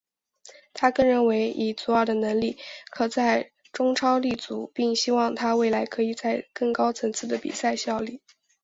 他更认为以祖尔的能力可在中超立足并希望他未来可以在更高层次的比赛效力。